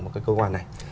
và các cái cơ quan này